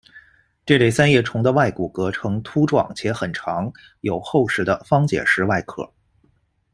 这类三叶虫的外骨骼呈凸状且很长，有厚实的方解石外壳。